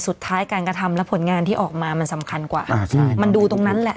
สุดท้ายการกระทำและผลงานที่ออกมามันสำคัญกว่าอ่าใช่มันดูตรงนั้นแหละ